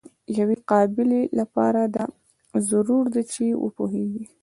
د یوې قابلې لپاره دا ضرور ده چې وپوهیږي.